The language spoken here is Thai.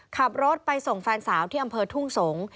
ขับรถไปส่งแฟนสาวที่อำเภอทุ่งสงศ์